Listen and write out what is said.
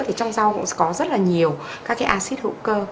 thì trong rau cũng có rất là nhiều các cái acid hữu cơ